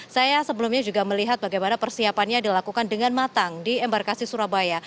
saya sebelumnya juga melihat bagaimana persiapannya dilakukan dengan matang di embarkasi surabaya